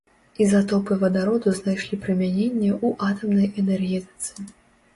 Ізатопы вадароду знайшлі прымяненне ў атамнай энергетыцы.